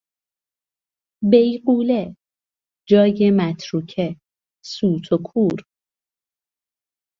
بیغوله، جای متروکه، سوت و کور